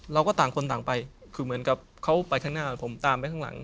เราก็ต่างคนต่างไปคือเหมือนกับเขาไปข้างหน้าผมตามไปข้างหลัง